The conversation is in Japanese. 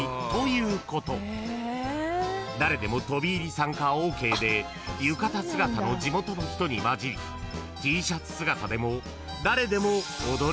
［誰でも飛び入り参加ＯＫで浴衣姿の地元の人に交じりＴシャツ姿でも］